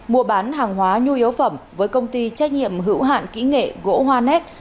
mua bán hàng hóa nhu yếu phẩm với công ty trách nhiệm hữu hạn kỹ nghệ gỗ hoa nét